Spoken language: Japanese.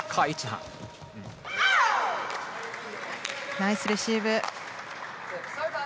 ナイスレシーブ。